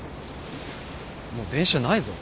もう電車ないぞ。